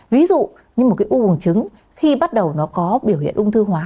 ví dụ như một cái u bồng trứng khi bắt đầu nó có biểu hiện ung thư hóa